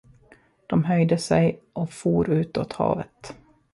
De höjde sig och for utåt havet.